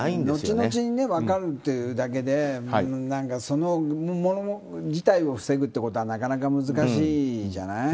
後々に分かるというだけでそのもの自体を防ぐことはなかなか難しいじゃない。